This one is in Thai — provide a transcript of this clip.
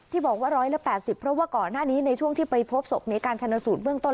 บอกว่า๑๘๐เพราะว่าก่อนหน้านี้ในช่วงที่ไปพบศพมีการชนสูตรเบื้องต้น